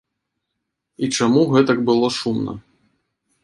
І чаму гэтак было шумна.